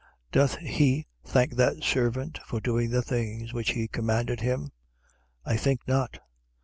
17:9. Doth he thank that servant for doing the things which he commanded him? 17:10. I think not.